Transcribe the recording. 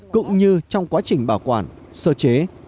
cũng như trong quá trình bảo quản sơ chế